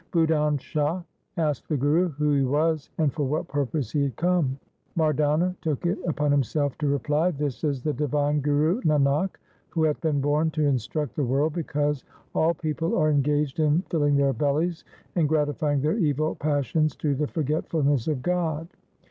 Budhan Shah asked the Guru who he was, and for what purpose he had come. Mardana took it upon himself to reply, ' This is the divine Guru Nanak, who hath been born to instruct the world, because all people are engaged in filling their bellies and gratifying their evil passions to the forgetfulness of God.